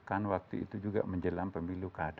kan waktu itu juga menjelang pemilu kada